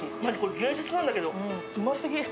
芸術なんだけど、うますぎ。